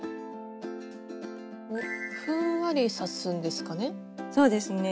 ふんわり刺すんですかね？